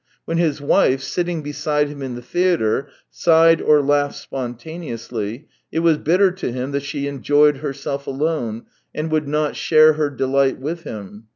When his wife, sitting beside him in the theatre, sighed or laughed spontaneously, it was bitter to him that she enjoyed herself alone and would not share her delight with him.